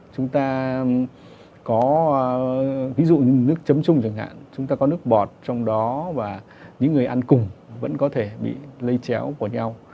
chúng ta có ví dụ như nước chấm chung chẳng hạn chúng ta có nước bọt trong đó và những người ăn cùng vẫn có thể bị lây chéo của nhau